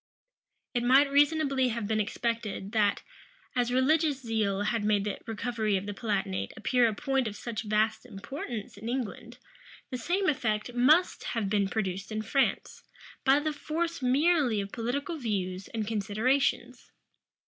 It might reasonably have been expected, that, as religious zeal had made the recovery of the Palatinate appear a point of such vast importance in England, the same effect must have been produced in France, by the force merely of political views and considerations.